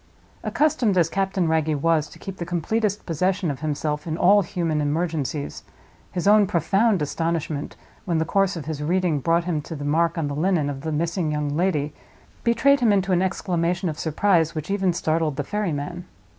Accustomed as Captain Wragge was to keep the completest possession of himself in all human emergencies, his own profound astonishment, when the course of his reading brought him to the mark on the linen of the missing young lady, betrayed him into an exclamation of surprise which even startled the ferryman.